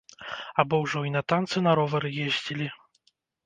Або ўжо і на танцы на ровары ездзілі.